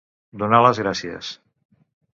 Donar les gràcies.